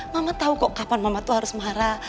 mama tau kok kapan mama tuh harus marah